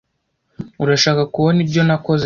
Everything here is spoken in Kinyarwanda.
Urashaka kubona ibyo nakoze?